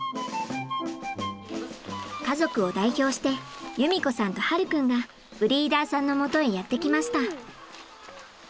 家族を代表して優美子さんと葉琉君がブリーダーさんのもとへやって来ました。